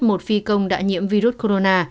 một phi công đã nhiễm virus corona